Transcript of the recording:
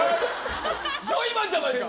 ジョイマンじゃないか！